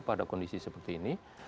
pada kondisi seperti ini